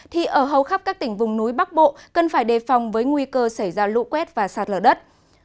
thì ở hầu khắp các tỉnh vùng núi bắc bộ cần phải đề phòng với nguy cơ xảy ra lũ quét và sạt lở đất